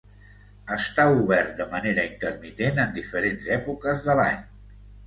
Està obert de manera intermitent en diferents èpoques de l'any.